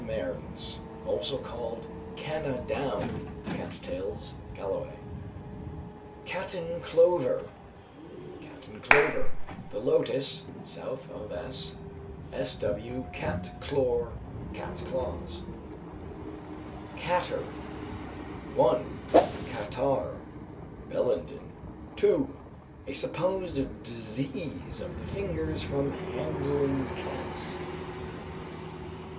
Mearns; also called Canna down, Cat Tails (Galloway). Catten Clover., Cat in Clover. The Lotus (South of S.). Sw., Katt klor (Cat's Claws). Catter. 1. Catarrh (BELLENDEN). 2. A supposed disease of the fingers from handling cats.